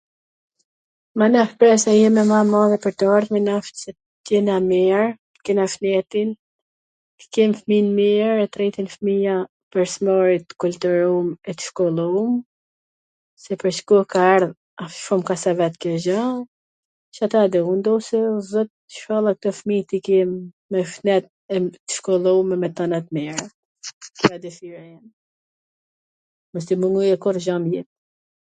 manej, shpresa jeme ma e madhe pwr t ardhmen a qw t jena mir, t kena shnetin, t ken fmijn mir e t rriten fmija pwr s mbari, t kulturum e t shkollum, se pwr shkoll ka ardh shum kasavet kjo gjw, C ata du un, un du qw o zot ishalla kto fmij t i kem me shnet e t shkollum e me tana t mirat. Kjo asht dwshira jeme, mos t ju mngoj kurgja nw jet